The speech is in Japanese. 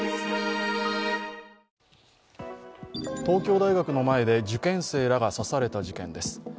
東京大学の前で受験生らが刺された事件です。